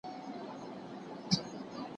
د کانګو تبه څنګه خپریږي؟